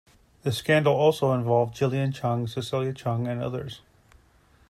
The scandal also involved Gillian Chung, Cecilia Cheung, and others.